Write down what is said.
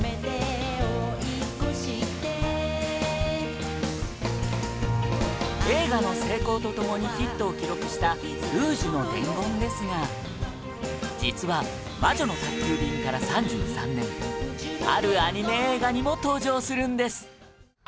獲得映画の成功とともにヒットを記録した『ルージュの伝言』ですが実は『魔女の宅急便』から３３年あるアニメ映画にも登場するんです